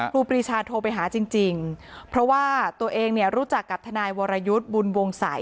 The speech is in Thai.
ครูปีชาโทรไปหาจริงเพราะว่าตัวเองเนี่ยรู้จักกับทนายวรยุทธ์บุญวงศัย